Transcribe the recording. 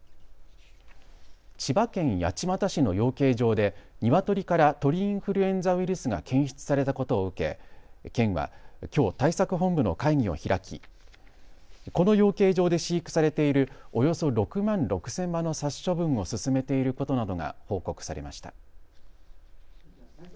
千葉県八街市の養鶏場でニワトリから鳥インフルエンザウイルスが検出されたことを受け県はきょう対策本部の会議を開きこの養鶏場で飼育されているおよそ６万６０００羽の殺処分を進めていることなどが報告されました。